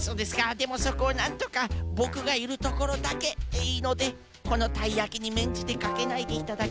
でもそこをなんとかボクがいるところだけでいいのでこのたいやきにめんじてかけないでいただけませんでしょうか？